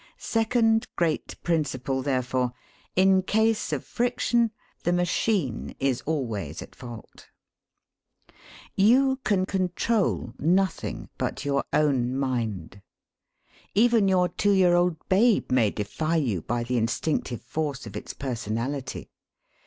Second great principle, therefore: 'In case of friction, the machine is always at fault.' You can control nothing but your own mind. Even your two year old babe may defy you by the instinctive force of its personality.